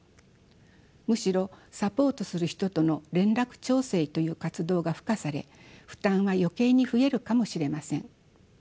むしろサポートする人との連絡調整という活動が付加され負担は余計に増えるかもしれません。